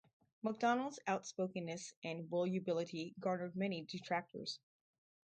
Macdonald's outspokenness and volubility garnered many detractors.